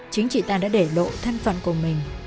chính chị ta đã để lộ thân phận của mình